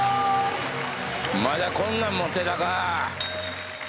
まだこんなん持ってたか！